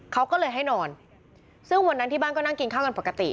เขาก็เลยให้นอนซึ่งวันนั้นที่บ้านก็นั่งกินข้าวกันปกติ